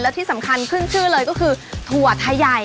และที่สำคัญขึ้นชื่อเลยก็คือถั่วไทยใหญ่